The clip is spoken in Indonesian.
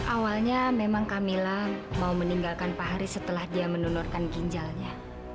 awalnya memang camilla mau meninggalkan pak haris setelah dia mendonorkan ginjalnya